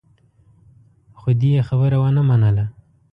خو دې يې خبره ونه منله.